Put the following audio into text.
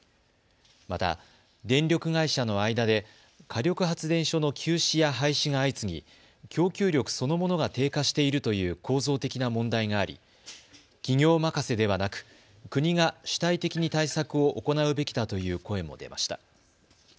また電力会社の間で火力発電所の休止や廃止が相次ぎ供給力そのものが低下しているという構造的な問題があり企業任せではなく国が主体的に対策を行うべきだという声も出ました。